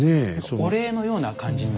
お礼のような感じにも。